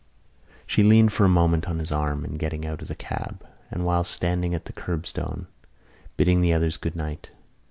She leaned for a moment on his arm in getting out of the cab and while standing at the curbstone, bidding the others good night.